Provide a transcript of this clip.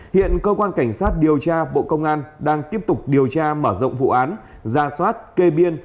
hiện cơ quan cảnh sát điều tra bộ công an đang tiếp tục điều tra mở rộng vụ án